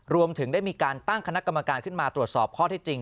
รวมถึงได้มีการตั้งคณะกรรมการขึ้นมาตรวจสอบข้อที่จริง